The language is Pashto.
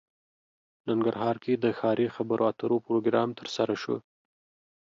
ننګرهار کې د ښاري خبرو اترو پروګرام ترسره شو